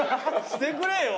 してくれよ。